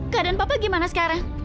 kak dan papa gimana sekarang